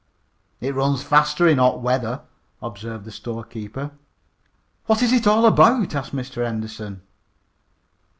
"It runs fast in hot weather," observed the storekeeper. "What is it all about?" asked Mr. Henderson.